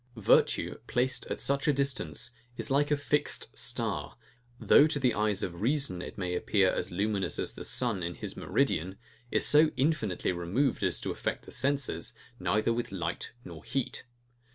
Virtue, placed at such a distance, is like a fixed star, which, though to the eye of reason it may appear as luminous as the sun in his meridian, is so infinitely removed as to affect the senses, neither with light nor heat.